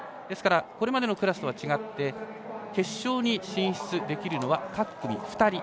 ですからこれまでのクラスとは違って決勝に進出できるのは各組２人。